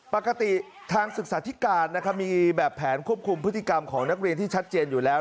ปกติทางศึกษาธิการมีแบบแผนควบคุมพฤติกรรมของนักเรียนที่ชัดเจนอยู่แล้ว